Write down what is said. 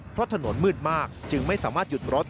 เพราะถนนมืดมากจึงไม่สามารถหยุดรถ